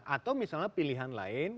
atau misalnya pilihan lain